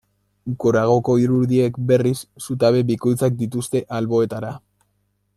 Goragoko irudiek, berriz, zutabe bikoitzak dituzte alboetara.